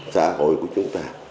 xã hội của chúng ta